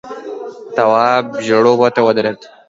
تواب ژېړو اوبو ته ودرېد.